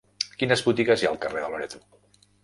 Quines botigues hi ha al carrer de Loreto?